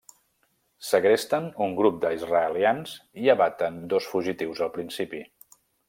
Segresten un grup d'israelians i abaten dos fugitius al principi.